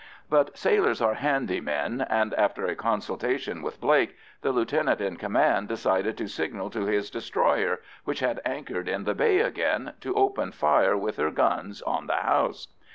But sailors are handy men, and after a consultation with Blake, the lieutenant in command decided to signal to his destroyer, which had anchored in the bay again, to open fire with her guns on the house.